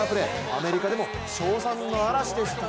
アメリカでも称賛の嵐でした。